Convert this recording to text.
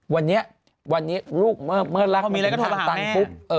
วันนี้ลูกเมื่อรักมันเป็นถามตังค์ปุ๊บ